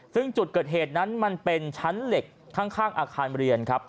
ซึ่งจุดเกิดเหตุนั้นมันเป็นชั้นเหล็กข้างอาคารเรียนครับ